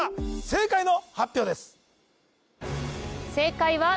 正解の発表です